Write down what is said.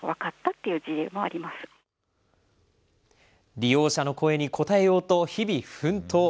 利用者の声に応えようと、日々、奮闘。